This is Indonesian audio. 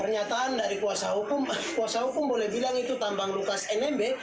pernyataan dari kuasa hukum kuasa hukum boleh bilang itu tambang lukas nmb